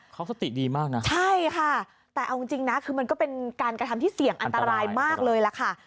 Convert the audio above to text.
เขาสติดีมากนะใช่ค่ะแต่เอาจริงนะคือมันก็เป็นการกระทำที่เสี่ยงอันตรายมากเลยล่ะค่ะ